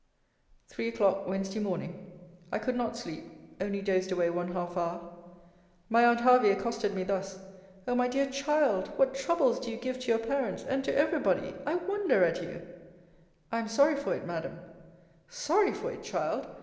THREE O'CLOCK, WEDNESDAY MORNING. I could not sleep Only dozed away one half hour. My aunt Hervey accosted me thus: O my dear child, what troubles do you give to your parents, and to every body! I wonder at you! I am sorry for it, Madam. Sorry for it, child!